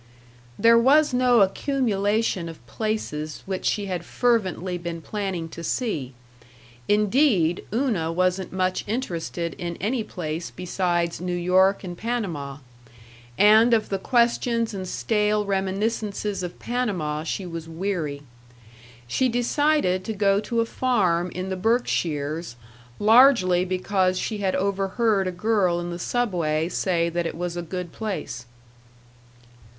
There was no accumulation of places which she had fervently been planning to see. Indeed, Una wasn't much interested in any place besides New York and Panama; and of the questions and stale reminiscences of Panama she was weary. She decided to go to a farm in the Berkshires largely because she had overheard a girl in the Subway say that it was a good place.